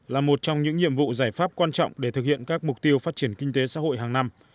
là một trong những nhiệm vụ giải pháp quan trọng để thực hiện các mục tiêu phát triển kinh tế xã hội hàng năm